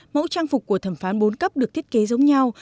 mẫu trang phục của thẩm phán bốn cấp được thiết kế giống nhau